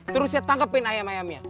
terus ya tanggepin ayam ayamnya